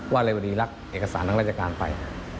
ว่าเลวดีรักเอกสารทางราชการไป